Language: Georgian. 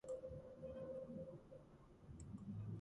დაკრძალულია სოფელ ტბეთში.